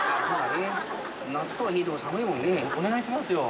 お願いしますよ。